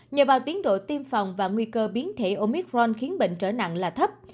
nhờ vào tiến độ tiêm phòng và nguy cơ biến thể omitron khiến bệnh trở nặng là thấp